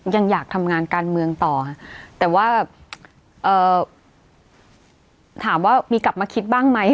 ยังอยากทำงานการเมืองต่อแต่ว่าถามว่ามีกลับมาคิดบ้างไหม